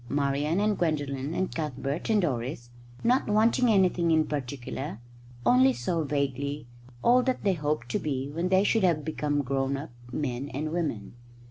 Marian and Gwendolen and Cuthbert and Doris, not wanting anything in particular, only saw vaguely all that they hoped to be when they should have become grown up men and women.